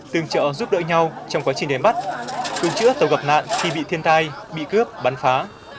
tương trợ giúp đỡ nhau trong quá trình đánh bắt cứu chữa tàu gặp nạn khi bị thiên tai bị cướp bắn phá